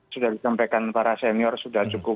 sudah disampaikan para senior sudah cukup